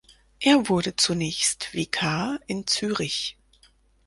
Er wurde zunächst Vikar in Zürich.